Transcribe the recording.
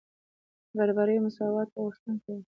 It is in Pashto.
د برابرۍ او مساواتو غوښتونکي وو.